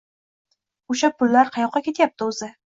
O‘sha pullar qayoqqa ketyapti, o‘zi?